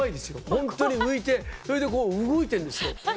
ホントに浮いてそれでこう動いてるんですよ。